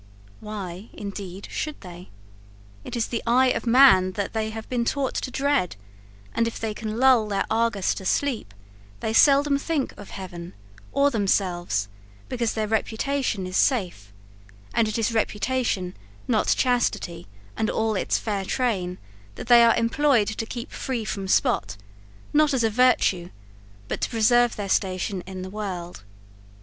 Why, indeed should they? it is the eye of man that they have been taught to dread and if they can lull their Argus to sleep, they seldom think of heaven or themselves, because their reputation is safe; and it is reputation not chastity and all its fair train, that they are employed to keep free from spot, not as a virtue, but to preserve their station in the world.